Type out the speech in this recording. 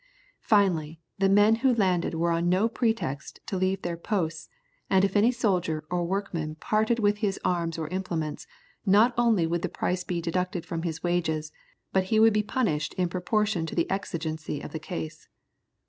Finally, the men who landed were on no pretext to leave their posts, and if any soldier or workman parted with his arms or implements, not only would the price be deducted from his wages, but he would be punished in proportion to the exigency of the case.